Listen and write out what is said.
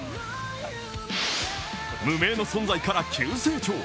無名の存在から急成長。